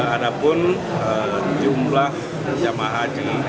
ada pun jumlah jemaah haji